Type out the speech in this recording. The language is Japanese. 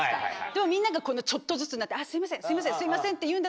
でもみんながちょっとずつになって。